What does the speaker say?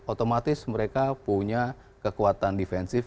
otomatis mereka punya kekuatan defensif